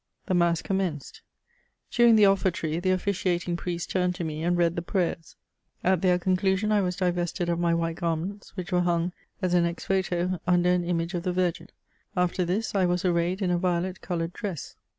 The mass commenced. During the ofifertory, the officiating priest turned to me and read the prayers. At their con clusion, I was divested of my white garments, which were hung, as an ex voto, under an image of the Virgin. After this I was arrayed in a violet coloured dress.